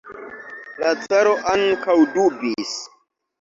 La caro ankaŭ dubis.